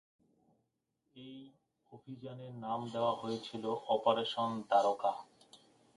এই অভিযানের নাম দেওয়া হয়েছিল অপারেশন দ্বারকা।